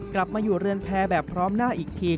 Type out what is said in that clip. กลับมาอยู่เรือนแพร่แบบพร้อมหน้าอีกที